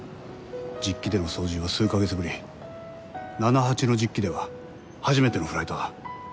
実機での操縦は数カ月ぶりナナハチの実機では初めてのフライトだ。